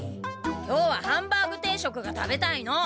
今日はハンバーグ定食が食べたいの！